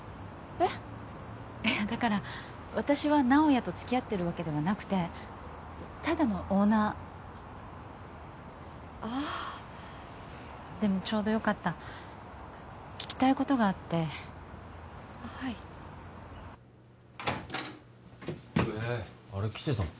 えっだから私は直哉と付き合ってるわけではなくてただのオーナーあでもちょうどよかった聞きたいことがあってはいうえあれ来てたの？